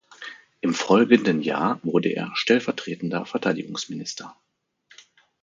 Im folgenden Jahr wurde er stellvertretender Verteidigungsminister.